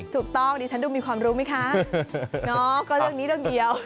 ถูกต้องดิฉันดูมีความรู้ไหมคะเนาะก็เรื่องนี้เรื่องเดียว